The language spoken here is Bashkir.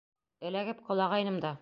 Эләгеп ҡолағайным да...